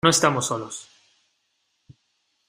no estamos solos.